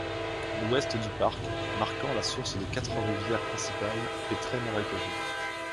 L'ouest du parc, marquant la source des quatre rivières principales, est très marécageux.